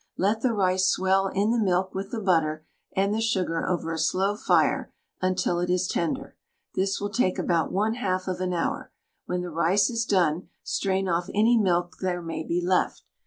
Let the rice swell in the milk with the butter and the sugar over a slow fire until it is tender this will take about 1/2 of an hour; when the rice is done, strain off any milk there may be left.